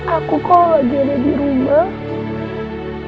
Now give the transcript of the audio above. aku kok lagi ada di rumah